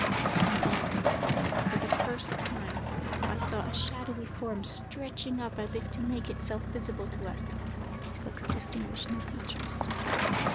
And then, for the first time, I saw a shadowy form, stretching up as if to make itself visible to us, but could distinguish no features.